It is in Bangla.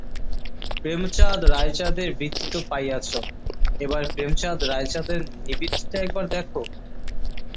প্রেমচাঁদ-রায়চাঁদের বৃত্তি তো পাইয়াছ, এবার প্রেমচাঁদ-রায়চাঁদের নিবৃত্তিটা একবার দেখো।